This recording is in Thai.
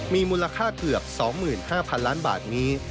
มีมูลค่าเกือบ๒๕๐๐๐ล้านบาทนี้